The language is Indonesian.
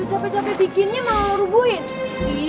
capek capek bikinnya mau rubuhin